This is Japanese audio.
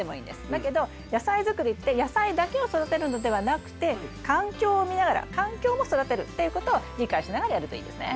だけど野菜作りって野菜だけを育てるのではなくて環境を見ながら環境も育てるっていうことを理解しながらやるといいですね。